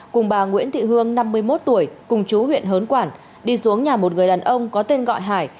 cùng bà nguyễn thị hương năm mươi một tuổi cùng chú huyện hớn quản đi xuống nhà một người đàn ông có tên gọi hải